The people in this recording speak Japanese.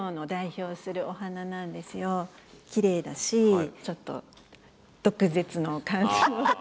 きれいだしちょっと毒舌の感じも。